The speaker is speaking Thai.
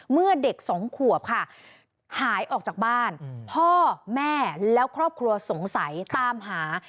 เมื่อเด็กสองขวบค่ะหายออกจากบ้านพ่อแม่แล้วครอบครัวสงสัยตามหา